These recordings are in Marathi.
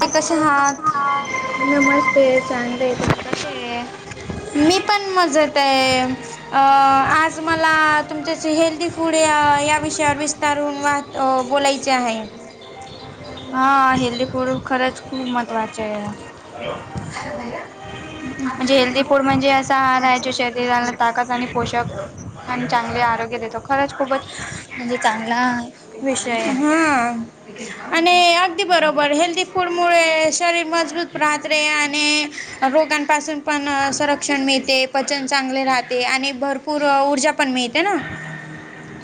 ते कसे हात आहात? नमस्ते चां र क मी पण मजत ये अ आज मला तुमच्या हेल्थी फूड या विषयावर विस्तारून वा त बोलायचे आहे हा हेली फूड खरंच खूप महत्त्वाचं आहे अ नाही काय तर म्हणजे हेल्दी फूड म्हणजे असा आहार आहे जो आवाज शरीराला ताकद आणि येत पोषक आणि चांगले आरोग्य देतो खरंच खूपच म्हणजे चांगला विषय आहे. हाय हा आणि अगदी बरोबर हेल्थी फूड मुळे शरीर मजबूत हते आणि रोगांपासून पण संरक्षण मिळते पचन चांगले राहते आणि भरपूर पूर ऊर्जा पण मिळते ना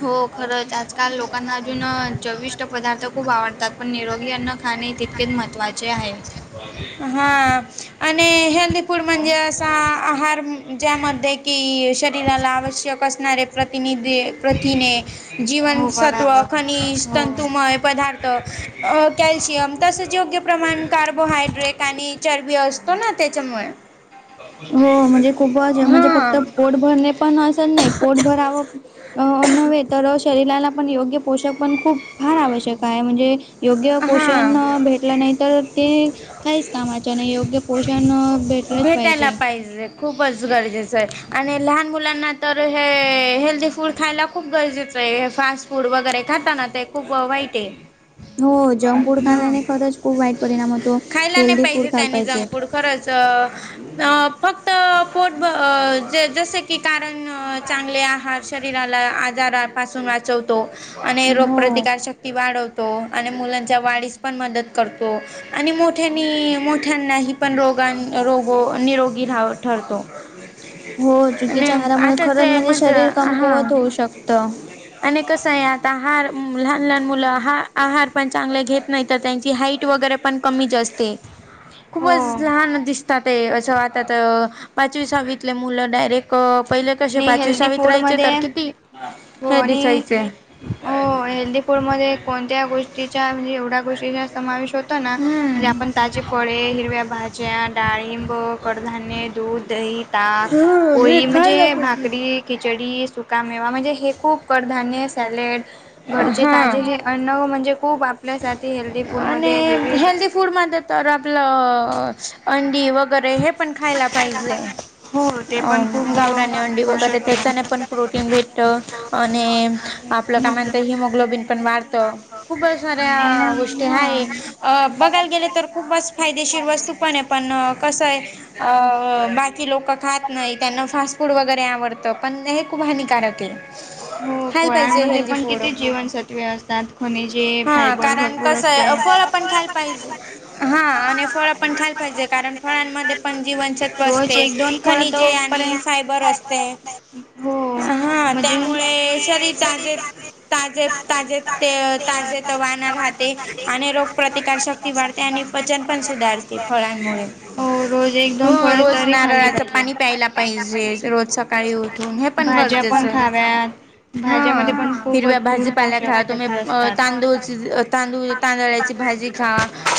हो खरंच आजकाल लोकांना अजून चविष्ट पदार्थ खूप आवडतात पण निरोगीना खाणे तितके महत्चे आहे हा आणि हेल्दी फूड म्हणजे असा आहार ज्या मध्ये कि शरीराला आवश्यक असणारे प्रतिनिधी प्रथिने हो जीवनसत्व बराबर खनिज हो. तंतुमय पदार्थ अ कॅल्शियम तसंच योग्य प्रमाण कार्बोहायड्रेट आणि चरबी असतो ना त्याच्यामुळे हो म्हणजे खूपच म्हणजे फक्त हां पोट भरणे पण असं नाही पोट भरावं. अं नव्हे तर शरीराला पण योग्य पोषक पण खूप. फार आवश्यक आहे म्हणजे योग्य पोषण हां भेटलं नाही तर ते. काहीच कामाच्यां नाही योग्य पोषण भेटलंच पाहिजे. खूपच गरजेचं आहे आणि लहान मुलांना तर हे हेल्थी फूड खायला खूप गरजेचं आहे फास्ट.. फूड वगैरे खाता ना ते खूप वाईट आहे. हो जंक फूड हां खाल्ल्याने खरंच खूप वाईट परिणाम होतो खायला नाही हेल्दीी पाहिजे फूड खायला त्याने पाहिजे. जंक फूड खरंच. अ फक्त पोट जसे की कारण चांगले आहात. शरीराला आजारापासून वाचवतो आणि रो हो शक्ती वाढवतो आणि मुलांच्या वाढीस पण मदत करतो. आणि मोठ्यांनी मोठ्यांनाही पण रोगां रोगो निरोगी रा ठरतो. हो आणि चुकीच्या आहारामुळे आताच खरंच म्हणजे मज शरीर हा कमकुवत होऊ शकतं. आणि कसं आहे आता हार. लहान लहान मुलं आ आहार पण चांगले घेत नाही तर त्यांची हाईट वगैरे पण कमीच असते. हो खूपच लहान दिसत. ते असं आता पाचवीसावीतले मुलं डायरेक्ट. पहिले कसे आणि पाचवी हेल्दी सावीत फूड राहायचे तर मध्ये किती हो हे आणि दिसायचे. हो हेल्दी फूडमध्ये कोणत्या गोष्टीचा म्हणजे एवढ्या गोष्टीचा समावेश होतो ना. म्हणजे हम्म आपण ताजी फळे हिरव्या भाज्या डाळिंब कडधान्य दूध दही ताक. हा हे होळी मि. खायला पाहिजे. खिचडी सुका मेवा म्हणजे हे खूप कडधान्य सॅलेड घरचे हा ताजे. अन्न म्हणजे खूप आपल्यासाठी हेल्दी फूडमध्ये विविध. फूड मध्ये तर आपलं अंडीी वगैरे हे पण खायला पाहिजे. हो ते अ पण खूप गावडने अंडी वगैरे पोषक आहे. त्याच्याने पण प्रोटीन भेटत. आणि आपलं काय म्हणत हिमोग्लोबिन पण वाढतं खूपचऱ्या. हे हा बघायला गेले तर खूपच फायदेशीर वस्तू पण आहे पण. स आहे बा लोक खात नाही त्यांना फास् फूड वगर. आवडतं पण हे खूप हानिकारक आहे. हो खायला पाहिजे पोळ्यांमध्ये हेल्दी पण फूड किती जीवनसत्वे असतात. खनिजे हा फायब कारण कसं आहे फळं पण खायला पाहिजे हां आणि फळं पण खायला पाहिजे कारण फळांमध्ये. पण जीवनसत्व रोज असते एक दोन फळ तो खनिजे आणि पर्यंत फायबर असते. हो हा म्हणजे त्यामुळे शरीर ताजे तजे ताजे. ते ताजे त वाना राहते. आणि रोग प्रप्रतिकारशक्ती वाढते आणि वचन पण सुधारते फळांमुळे. हो रोज एकदम. हो रोज नारळाचं पाणी प्यायला पाहिजे. रोज सकाळी उठून हे पण भाज्या पण गरजेचं आहे. खाव्यात हा भाज्यामध्ये पण खूप हिरव्या भरपूर भाजीपाला पोषक खा तुम्ही तत्व असतात. तांदूळची. तांदूळ तांदळाची भाजी खा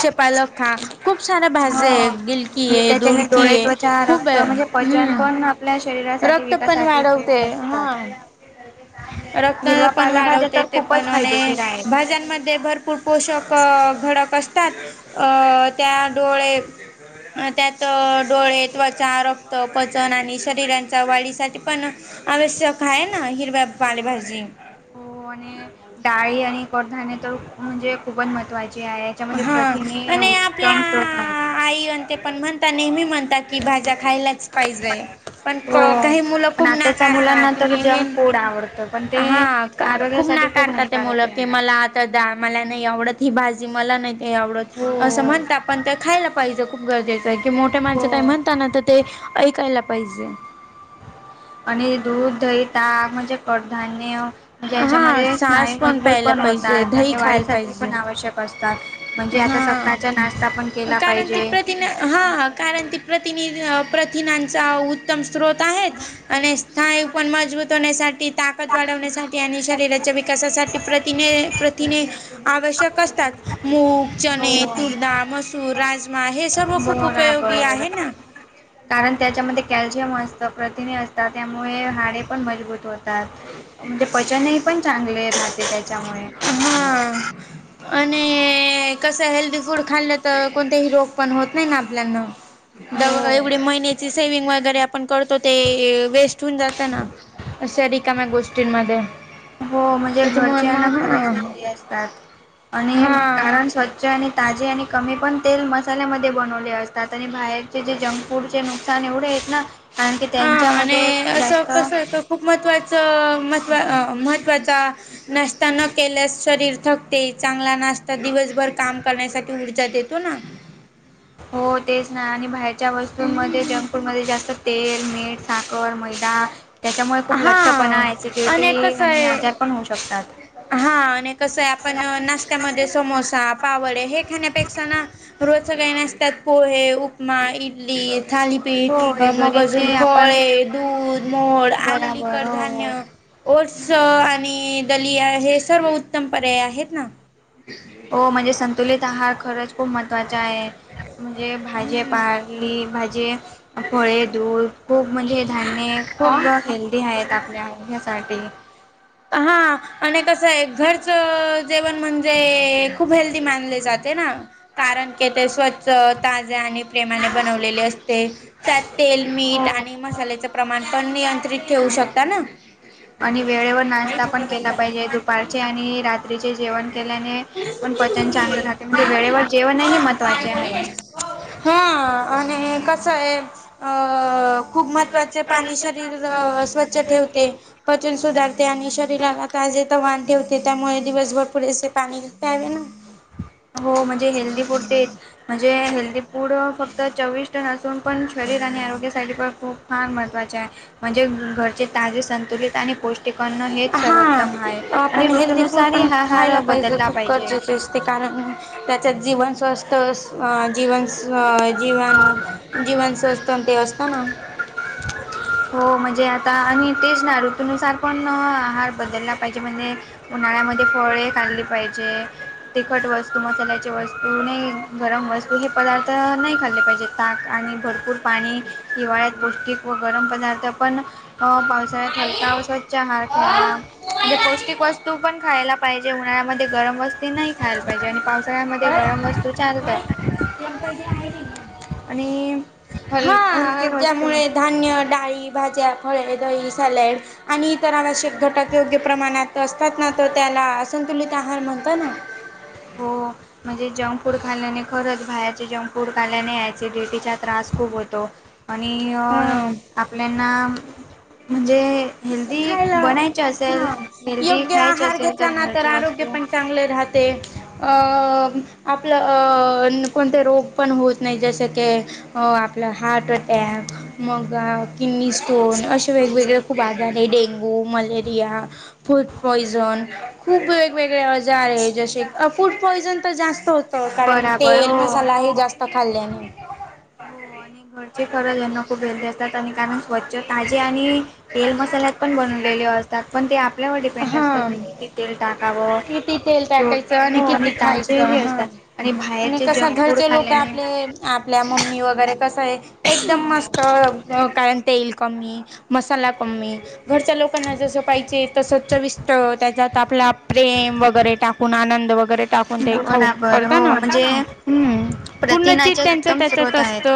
शेपाल खा खूप साऱ्या भाजे गिलकी म्हणजे आहे दुड. त्याच्याने कि डोळे त्वचा खूप रक्त म्हणजे पचन हम् पण आपल्या शरीरासाठी रक्त पण विकासाठी वाढवते. उपयुक्त हा. असतात. रक्त हिरवा पण पालेभाज्या वाढवते तर ते पण खूपच आणि फायदेशीर आहेत. भाज्यांमध्ये भरपूर. कुरपोषक घडक असतात. अ त्या डोळे. त्यात डोळे त्वचा रक्त पचन आणि शरीरांच्या वाढीसाठी. पण आवश्यक खाय ना हिरवा्या पालेभाजी. हो आणि डाळी आणि आणि करध तर. म्हणजे खूपच महत्त्वाची आहे. याच्यामध्ये हा प्रथिमे आणि आपल्या उत्तम प्रकारे आहेत. आई आणि ते पण म्हणता नेहमी म्हणता की भाज्या खायलाच पाहिजेय. पण हो काही मुलं पण खूप आताच्या नाकारता मुलांना तर तुम्ही हे जंक फूड आवडतं पण ते हा. खूप आरोग्यासाठी नाकारतात ते मुलं हानिकारक आहे. की मला डळ मला नाही आवडत. ही भाजी मला नाही आवडत हो असं म्हणत पण खायला पाहिजे खूप गरजेचं आहे. की मोठे माणसं काही हो. म्हणताना तर ते ऐकायला पाहिजे आणि दूध दही ताक म्हणजे कडधान्य म्हणजे हा याच्यामध्ये सास स्नायू मजबूत प्यायला पण पाहिजे होतात दही आणि खायला वाढीसाठी पाहिजे पण आवश्यक त म्हणजे आता हा सकाळचा नाश्ता पण केला कारण ती पाहिजे. प्रथिन हां कारण ती प्रतिनि प्रथिनांचा उत्तम स्रोत आहेत आणि स्थाय पण मजबूत होण्यासाठी ताकद वाढवण्यासाठी आणि शरीराच्या विकासासाठी प्रतिने प्रथिने आवश्यक असतात. म चणे तूर डाळ मसूर राजमा हे सर्व खूप उपयोगी बराबर आहे. ना कारण त्याच्यामध्ये कॅल्शियम असत प्रथिने असतात. त्यामुळे हाडे पण मजबूत होतात. म्हणजे पचनही पण चांगले राहते त्याच्यामुळे हां आणि कसं हेल्दी फूड खाल्लं तर कोणतेही रोग पण होत नाही ना आपल्यान हो एवढी महिन्याची सेविंग वगैरे आपण करतो. ते वेस्ट होऊन जात ना असे रिकाम्या गोष्टींमध्ये हो म्हणजे त्याच्यामुळे घरच्याना मग अन्न खरंच हा हेल्दी असतात असतात आणि हा. कारण स्वछ आणि ताजी आणि कमी पण तेल मसाल्यामध्ये बनवले असते आ आणि बाहेरचे जे जंक फूडचे नुकसान एवढे आहेत. ना कारण की हा त्यांच्यामध्ये आणि असं जास्त कसं आहे का खूप महत्त्वाचं महत्त् महत्त्वाचा नाश्ता न केल्यास शरीर थकते. चांगला नाशता दिवसभर काम करण्यासाठी ऊर्जा देतो. ना हो तेच नाही. आणि बाहेर च्या वस्तूंमध्ये जंक फूडमध्ये जास्त तेल, मीठ, साखर मैदा, त्याच्यामुळे खूप हा लठ्ठपणा सिडिटी कसं आणि आहे आजार पण होऊ शकतात हा आणि कसं आहे. आपण नाशत्यामध्ये समोसा पावळे हे खाण्यापेक्षा ना रोज सकाळी नाष्ट्यात पोहे, उपमा, इडली, थाली, हो हे मग अजून घरीचे आपण फळे, दूध, मोड, आलेली बराबर हो हो. कडधान्य ओट्स आणि दलिया हे सर्व उत्तम पर्याय आहेत. ना हो म्हणजे संतुलित आहार खरंच खूप महत्त्वाचा आहे. म्हणजे भाजी पारली भाजी फळे दूध खूप म्हणजे धान्य आ खूप हेल्दी आहेत आपल्या ह्यासाठी हा आणि कसं आहे घरच जेवण म्हणजे खूप हेल्दी मानले जाते ना कारण क ते स्वच ताजे आणि प्रेमाने बनवलेले असते त्यात तेल हो. मीठ आणि मसाल्याच प्रमाणपण नियंत्रित ठेवू शकता ना आणि वेळेवर नाश्ता पण केला पाहिजे दुपारचे आणि रात्रीचे जेवण केल्याने पण पचन चांगले राहते म्हणजे वेळेवर जेवणही महत्वाचे आहे. हा आणि कस आहे अ खूप महत्वाचे पाणी शरीर स्वच्छ ठेवते. पचन सुधारते आणि शरीराला ताजे तर वान ठेवते त्यामुळे दिवसभर े पाणी घवे ना हो म्हणजे हेल्दी फूड ते म्हणजे हेल्दी फूड फक्त चोवीस टन असून पण शरीर आणि आरोग्य साइड खूप फार महत्त्वाचे आहे म्हणजे घरचे ताजे संतुलित आणि पोष्ट ठिकाण हेच हा सर्वोत्तम ह आहे आणि आपण हेल्दी फूड ऋतनुसार ह हा हार बदलला पाहिजे ते कारण त्याच्यात जीवन स्वस्थ जीवन स् जीवान जीवन स्वस्थ तेवस्तना हो म्हणजे आता आणि तेच ना ऋतनुसार पण हार बदलला पाहिजे म्हणजे उन्हाळ्यामध्ये म फळे खाल्ली पाहिजे तिखट वस्तू मसाल्याची वस्तू नाही गरम वस्तू हे पदार्थ नाही खाल्ले पाहिजेत. ताक आणि भरपूर पाणी हिवाळ्यात पौष्टिक व गरम पदार्थ पण पावसालूट हलका स्वच्छ आहार ख्यायला म्हणजे पौष्टिक वस्तू तू पण खायला पाहिजे. उन्हाळ्यामध्ये गरम असते नाही. खायला पाहिजे आणि पावसाळ्यामध्ये गरम वस्तू चालतात. आणि हा वस्तू त्यामुळे धा न्य, डाळी, भाज्या, फळे, दही, सॅलड आणि इतर आवश्यक घटक योग्य प्रमाणात असतात ना. तर त्याला संतुलित आहार म्हणतात ना. हो म्हणजे जंक फूड खाल्ल्याने. खरंच, बाहेरचे जंक फूड खाल्ल्याने ऍसिडिटीचा त्रास खूप होतो. आणि हा आपल्याना म्हणजे, हेल्दी खायला बनायचे असेल हा. हेल्दी योग्य खायची आहार असेल घेतला ना तर घरची आरोग्य वस्तू पण चांगले राह ते. अ आपलं अ कोणते रोग पण होत नाही. जस की, आपलं हार्ट अटॅक मग किडनी स्टोन अशे वेगवेगळे खूप आ डेंग्यू, मलेरिया, फूड पॉयझन खूप वेगवेगळ्या ज्या जसे फूड पॉयझन तर जास्त होत. कारण बराबर तेल, हो मसाला हे जास्त खाल्ल्याने. हो आणि घरचे खरच यांना कुठे येतात आणि कारण स्वच्छ ताजे आणि तेल, मसाल्यात पण बनवलेले असतात. पण ते आपल्यावर डिपेंड हा असतं, की किती तेल टाकावं. किती तेल टाकायचं हो आणि किती ताजे खायचं हे हा असतात. आणि बाहेरचे कसं जंक फूड घरचे लोक खाल्याने. आपले आपल्या मम्मी वगैरे कसं आहे. एकदम मस्त कारण ते ल कमी, मसाला कमी घरच्या लोकांना जसं पाहिजे. चव चविष्ट त्याच्यात आपला प्रेम वगैरे टाकून. आनंद वगैरे टाकून ते खाऊ बराबर हो करताना म्हणजे पूर्ण चित्त प्रथिनाचे त्यांचं उत्तम त्याच्यात स्रोत आहेत. असत.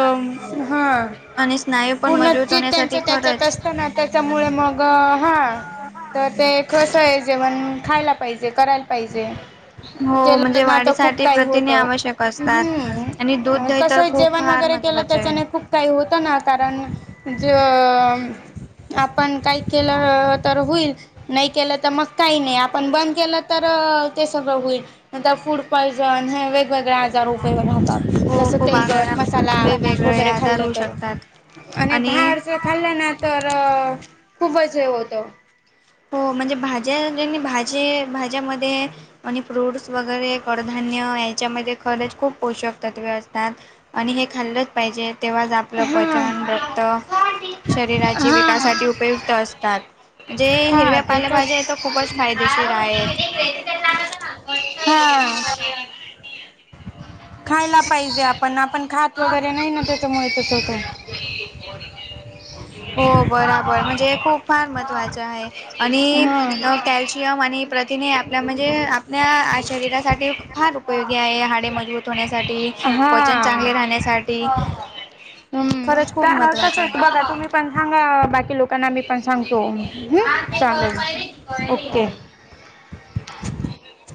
हा, आणि स्नायू पण पूर्ण मजबूत चित्त त्यांच होण्यासाठी त्याच्यात खरंच आस त ना त्याच्यामुळे मग हा, तर ते कसं आहे. जेवण खायला पाहिजे करायला पाहिजे. हो केलं म्हणजे ना तर खूप वाढीसाठी काही होत. प्रथिने आवश्यक असतात. आणि दूध हम दही कस तर खूप जेवण फार वगैरे केलं. महत्त्वाचे आहे. त्याच्याने खूप काही होतं ना कारण ज आपण काही केलं तर होईल. नाही केलं तर मग काही नाही. आपण बंद केलं तर ते सगळं होईल. नंतर फूड पॉयझन हे वेगवेगळ्या दुरुपयोग राहतात. हो जस खूप आग तेलगट मसाला वेगवेगळे वगैरे आजार खाल्लं होऊ तर, शकतात आणि बाहेरच खाल्लं ना तर खूपच हे होतं. हो, म्हणजे भाज्या ज्यानी भाजे भाज्यामध्ये आणि फ्रूट्स वगैरे कडधान्य याच्यामध्ये खरच खूप पोषक तत्व असतात. आणि हे खाल्लंच पाहिजे. तेव्हा, आपलं पच, हा रक्त, शरीराची हा विकासासाठी उपयुक्त असतात. ते हा हिरव्या ते पालेभाज्या कस आहेत. तो खूपच फायदेशीर आहेत. हा खायला पाहिजे. आपण आपण खात वगैरे नाही ना, त्याच्यामुळे तस होतंय. हो, बरोबर म्हणजे हे खूप फार महत्वाच आहे. आणि हा कॅल्शियम आणि प्रथिने आपल्या म्हणजे आपल्या शरीरासाठी फार उपयोगी आहे. हाडे मजबूत होण्यासाठी. हा, पचन चांगले राहण्यासाठी हम् खरंच खूप का महत्त्वाचं कसाय आहे. बघा तुम्ही पण, सांगा बाकी लोकांना मी पण सांगतो. हम, चालेल ओके. हो.